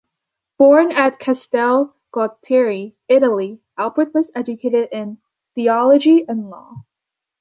Born at Castel Gualtieri, Italy, Albert was educated in theology and law.